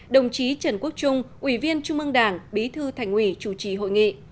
đồng chí trần quốc trung ủy viên trung ương đảng bí thư thành ủy chủ trì hội nghị